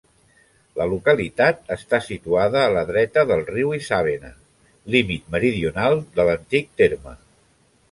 La localitat està situada a la dreta del riu Isàvena, límit meridional de l'antic terme.